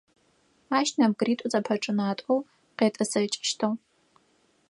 Ащ нэбгыритӏу зэпэчӏынатӏэу къетӏысэкӏыщтыгъ.